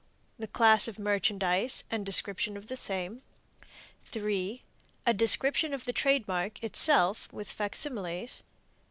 The class of merchandise and description of the same. 3. A description of the trademark itself with facsimiles.